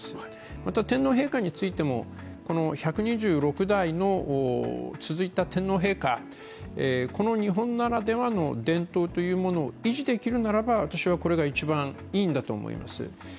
また、天皇陛下についてもこの１２６代続いた天皇陛下、この日本ならではの伝統というものを維持できるならば私はこれが一番いいんだと思います。